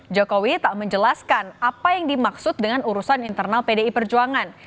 jokowi tak menjelaskan apa yang dimaksud dengan urusan internal pdi perjuangan